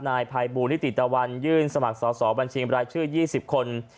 นายภัยบูลนิติตะวันยื่นสมัครสอบบัญชีรายชื่อ๒๐คน